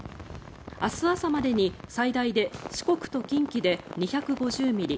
明日朝までに最大で四国と近畿で２５０ミリ